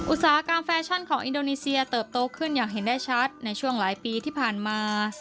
อุตสาหกรรมแฟชั่นของอินโดนีเซียเติบโตขึ้นอย่างเห็นได้ชัดในช่วงหลายปีที่ผ่านมา